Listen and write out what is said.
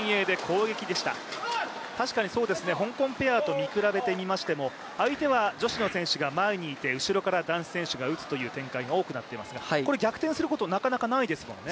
確かに香港ペアと見比べてみましても相手は女子の選手が前にいて後ろから男子選手が打つという展開が多くなっていますが、これ逆転することは、なかなかないですもんね。